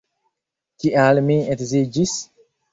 Kial mi edziĝis?